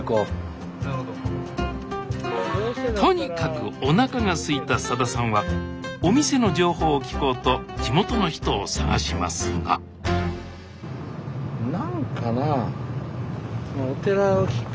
とにかくおなかがすいたさださんはお店の情報を聞こうと地元の人を探しますが何かなぁ。